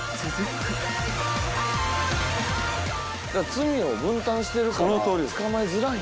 罪を分担してるから捕まえづらい。